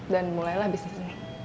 dan mulailah bisnis ini